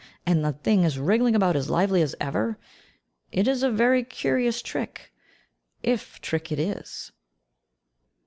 and the thing is wriggling about as lively as ever. It is a very curious trick if trick it is.